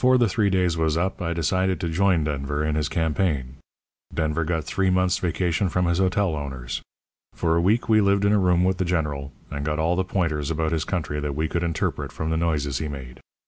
"Before the three days was up I decided to join Denver in his campaign. Denver got three months' vacation from his hotel owners. For a week we lived in a room with the General, and got all the pointers about his country that we could interpret from the noises he made.